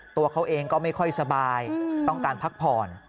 ตัวเขาเองก็ไม่ค่อยสบายต้องการพักผ่อน